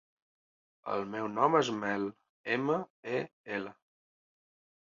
El meu nom és Mel: ema, e, ela.